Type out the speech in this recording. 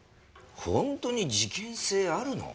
本当に事件性あるの？